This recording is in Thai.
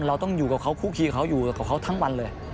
เราต้องอยู่กับเขาคุกคีเขาอยู่กับเขาทั้งวันเลย